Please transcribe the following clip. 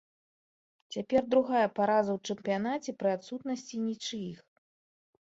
Цяпер другая параза ў чэмпіянаце пры адсутнасці нічыіх.